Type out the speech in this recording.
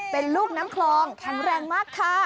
เป็นลูกน้ำคลองแข็งแรงมากค่ะ